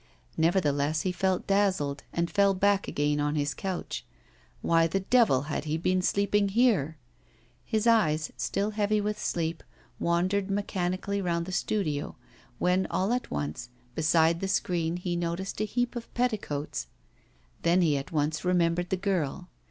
Nevertheless he felt dazzled, and fell back again on his couch. Why the devil had he been sleeping there? His eyes, still heavy with sleep, wandered mechanically round the studio, when, all at once, beside the screen he noticed a heap of petticoats. Then he at once remembered the girl.